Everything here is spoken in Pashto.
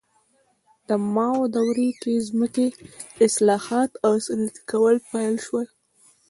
د ماو دورې کې ځمکې اصلاحات او صنعتي کول پیل شول.